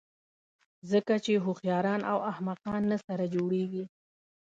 ځکه چې هوښیاران او احمقان نه سره جوړېږي.